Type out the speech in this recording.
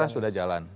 perkara sudah jalan